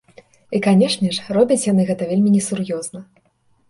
І, канешне ж, робяць яны гэта вельмі несур'ёзна!